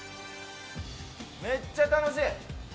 めっちゃ楽しい。